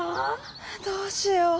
どうしよう。